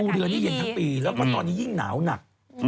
เรือนี่เย็นทั้งปีแล้วก็ตอนนี้ยิ่งหนาวหนัก